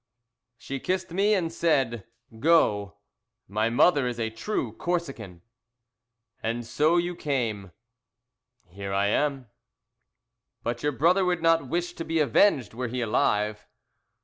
"She kissed me, and said, 'Go.' My mother is a true Corsican." "And so you came." "Here I am." "But your brother would not wish to be avenged were he alive."